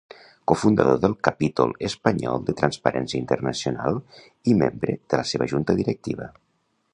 Cofundador del capítol espanyol de Transparència Internacional i membre de la seva junta directiva.